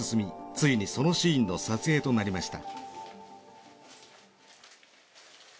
ついにそのシーンの撮影となりました。